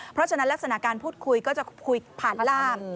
เพราะฉะนั้นลักษณะการพูดคุยก็จะคุยผ่านร่าม